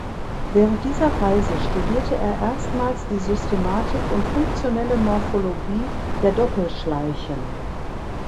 Während dieser Reise studierte er erstmals die Systematik und funktionelle Morphologie der Doppelschleichen.